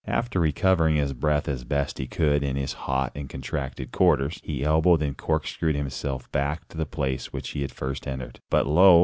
After recovering his breath as best he could in his hot and contracted quarters, he elbowed and corkscrewed himself back to the place by which he first entered. But lo!